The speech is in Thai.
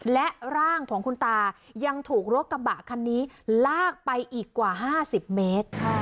และร่างของคุณตายังถูกรถกระบะคันนี้ลากไปอีกกว่า๕๐เมตร